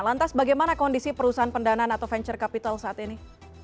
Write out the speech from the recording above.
lantas bagaimana kondisi perusahaan pendanaan atau venture capital saat ini